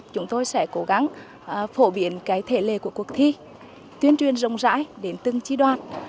chúng tôi sẽ cố gắng phổ biến cái thể lệ của cuộc thi tuyên truyền rộng rãi đến từng chi đoàn